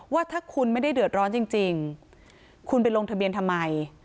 ว่าถ้าคุณไม่ได้เดือดร้อนจริงคุณไปลงทะเบียนทำไม